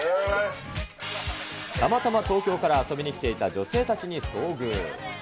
たまたま東京から遊びに来ていた女性たちに遭遇。